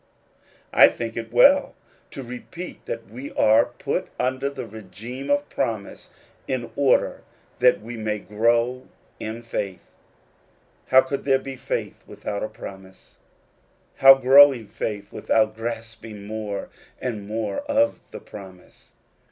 I think it well to repeat that we are put under the regime of promise in order that we may grow in faith. How could there be faith without a promise ? How growing faith without grasping more and more of the promise